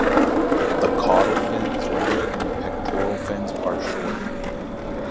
The caudal fin is rounded and the pectoral fins are short.